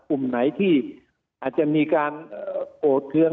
กลุ่มไหนที่อาจจะมีการโอดเทือง